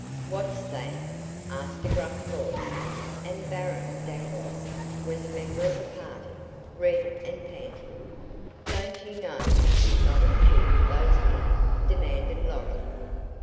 "What's that?" asked a gruff voice, and Baron Dangloss was a member of the party, red and panting. "Don't you know you should not have killed those men?" demanded Lorry.